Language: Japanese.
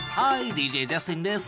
ＤＪジャスティンです。